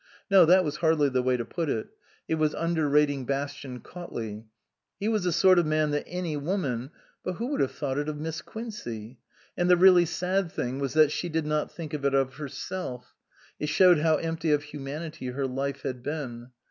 No, that was hardly the way to put it ; it was under rating Bastian Cautley. He was the sort of man that any woman But who would have thought it of Miss Quincey? And the really sad thing was that she did not think it of her self ; it showed how empty of humanity her life had been.